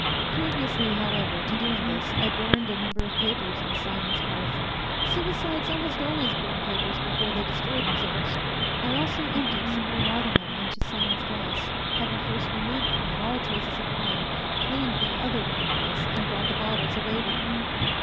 Previously, however, to doing this, I burned a number of papers on Simon's hearth. Suicides almost always burn papers before they destroy themselves. I also emptied some more laudanum into Simon's glass having first removed from it all traces of wine cleaned the other wine glass, and brought the bottles away with me.